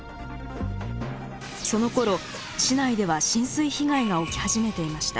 そのころ市内では浸水被害が起き始めていました。